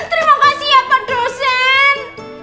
terima kasih ya pak dosen